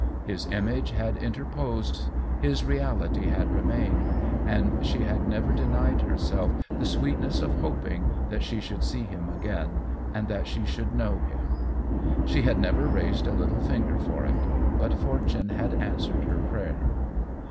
His image had interposed, his reality had remained, and she had never denied herself the sweetness of hoping that she should see him again and that she should know him. She had never raised a little finger for it, but fortune had answered her prayer.